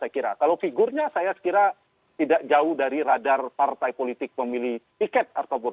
kalau figurnya saya kira tidak jauh dari radar partai politik pemilih tiket